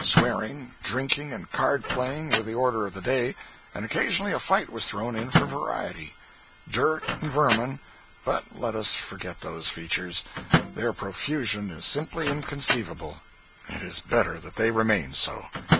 Swearing, drinking and card playing were the order of the day, and occasionally a fight was thrown in for variety. Dirt and vermin—but let us forget those features; their profusion is simply inconceivable—it is better that they remain so.